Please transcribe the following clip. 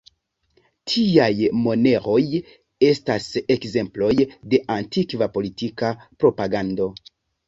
Tiaj moneroj estas ekzemploj de antikva politika propagando.